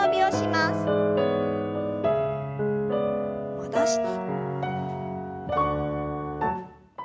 戻して。